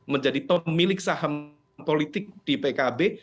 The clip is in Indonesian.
menjadi pemilik saham politik di pkb